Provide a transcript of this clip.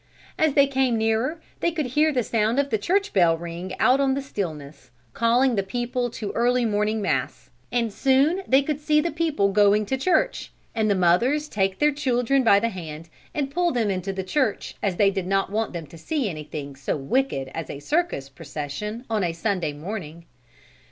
As they came nearer they could hear the sound of the church bell ring out on the stillness, calling the people to early morning mass, and soon they could see the people going to church, and the mothers take their children by the hand and pull them into the church as they did not want them to see anything so wicked as a circus procession on Sunday morning.